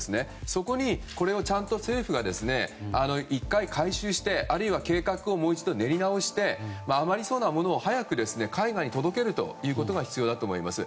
そこにこれを政府が１回、回収してあるいは計画をもう一度練り直してあまりそうなものを早く海外に届けるということが必要だと思います。